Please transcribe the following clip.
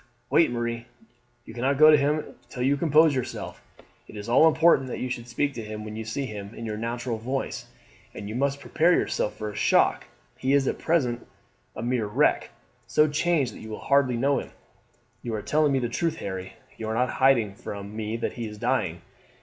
"Wait, Marie, you cannot go to him till you compose yourself. It is all important that you should speak to him, when you see him, in your natural voice, and you must prepare yourself for a shock. He is at present a mere wreck, so changed that you will hardly know him." "You are telling me the truth, Harry? You are not hiding from me that he is dying?"